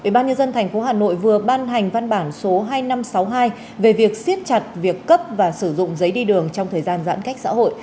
bệnh viện dân thành phố hà nội vừa ban hành văn bản số hai nghìn năm trăm sáu mươi hai về việc siết chặt việc cấp và sử dụng giấy đi đường trong thời gian giãn cách xã hội